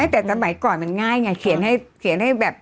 แต่สมัยก่อนมันง่ายไงเขียนให้แบบ